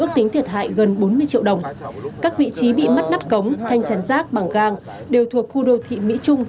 ước tính thiệt hại gần bốn mươi triệu đồng các vị trí bị mất nắp cống thanh chấm rác bằng gang đều thuộc khu đô thị mỹ trung